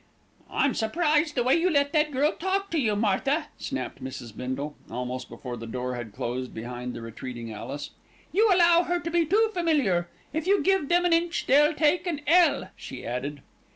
"I'm surprised the way you let that girl talk to you, Martha," snapped Mrs. Bindle, almost before the door had closed behind the retreating Alice. "You allow her to be too familiar. If you give them an inch, they'll take an ell," she added.